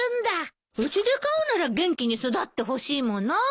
うちで飼うなら元気に育ってほしいもの。